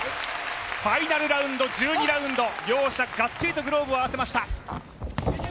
ファイナルラウンド、両者、がっちりとグローブを合わせました。